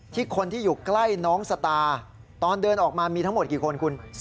คนที่อยู่ใกล้น้องสตาตอนเดินออกมามีทั้งหมดกี่คนคุณ